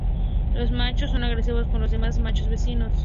Los machos son agresivos con los demás machos vecinos.